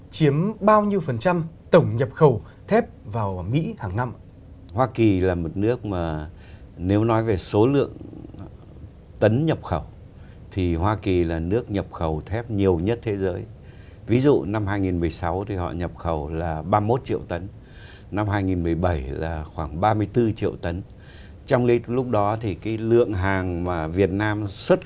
chiếm bao nhiêu phần trăm tổng nhập khẩu thép vào mỹ hàng năm